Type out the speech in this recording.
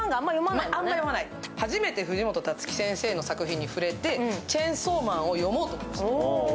初めて藤本タツキ先生の作品触れて「チェンソーマン」を読もうと思いました。